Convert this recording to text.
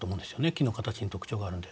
木の形に特徴があるので。